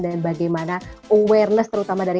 dan bagaimana awareness terutama dari